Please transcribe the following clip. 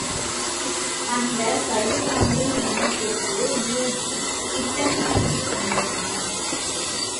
அந்தப் பழிவாங்கும் எண்ணத்திற்கு யூகி திட்டம் தீட்டிக் கொடுத்திருந்தான்.